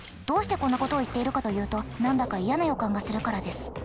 どうしてこんなことを言っているかというと何だか嫌な予感がするからです。